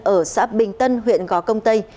ở xã bình tân huyện gó công tây